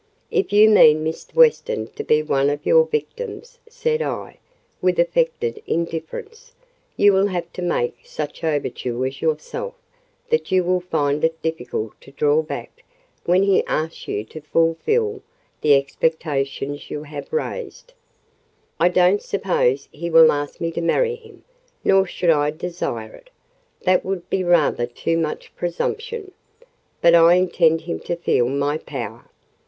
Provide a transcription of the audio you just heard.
"If you mean Mr. Weston to be one of your victims," said I, with affected indifference, "you will have to make such overtures yourself that you will find it difficult to draw back when he asks you to fulfil the expectations you have raised." "I don't suppose he will ask me to marry him, nor should I desire it: that would be rather too much presumption! but I intend him to feel my power.